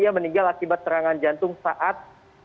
dia meninggal akibat serangan jantung saat